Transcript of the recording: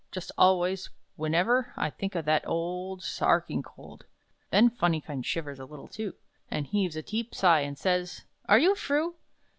Jist always, whiniver I think of that o o ld SA ARCHINKOLD!" Then Phunny kind shivers a little, too; And heaves a deep sigh; and says, "Are you froo?"